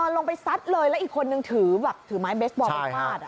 ลงไปซัดเลยแล้วอีกคนนึงถือแบบถือไม้เบสบอลไปฟาด